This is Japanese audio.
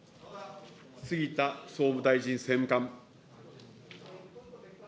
杉田総務大臣政務官。